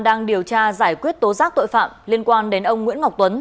đang điều tra giải quyết tố giác tội phạm liên quan đến ông nguyễn ngọc tuấn